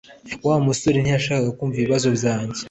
Wa musore ntiyashakaga kumva ibibazo byanjye